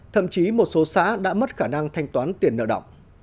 thậm chí một số xã đã mất khả năng thanh toán tiền nợ động